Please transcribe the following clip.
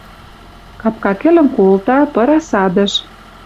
Капка кӹлӹм колта, пыра садыш